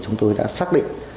chúng tôi đã xác định